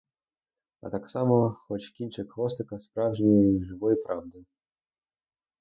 А так само хоч кінчик хвостика справжньої живої правди.